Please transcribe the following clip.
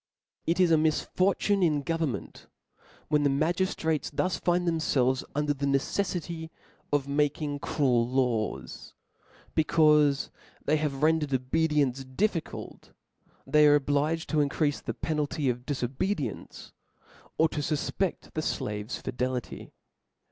It is a misfortune in government when the ma giftrates thus find themfelves under a neceffity of making cruel laws : becaufe they have rendered obedience difficult, they are obliged to increafe the penalty of difobedience, or to fu{j)e£t the Qave's fi delity.